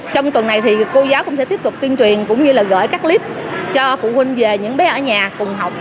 trong tuần này thì cô giáo cũng sẽ tiếp tục tuyên truyền cũng như là gửi các clip cho phụ huynh về những bé ở nhà cùng học